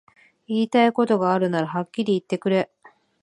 言いたいことがあるならはっきり言ってくれ